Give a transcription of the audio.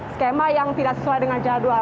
sama dengan jadwal yang sudah dikonsultasikan